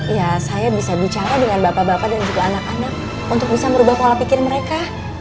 ya saya bisa bicara dengan bapak bapak dan juga anak anak untuk bisa merubah pola pikir mereka